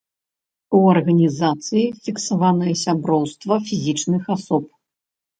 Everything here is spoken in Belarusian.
У арганізацыі фіксаванае сяброўства фізічных асоб.